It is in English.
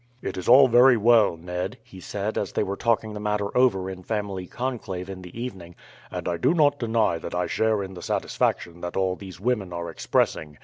"It is all very well, Ned," he said, as they were talking the matter over in family conclave in the evening; "and I do not deny that I share in the satisfaction that all these women are expressing.